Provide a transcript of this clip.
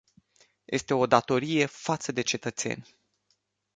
Este o datorie față de cetățeni.